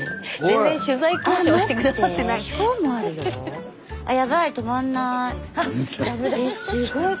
全然取材交渉して下さってない。